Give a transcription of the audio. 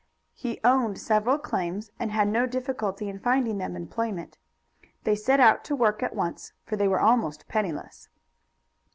He owned several claims, and had no difficulty in finding them employment. They set to work at once, for they were almost penniless.